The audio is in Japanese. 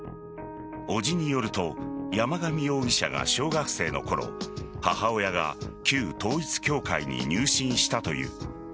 伯父によると山上容疑者が小学生のころ母親が旧統一教会に入信したという。